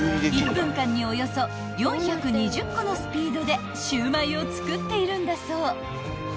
［１分間におよそ４２０個のスピードでシウマイを作っているんだそう］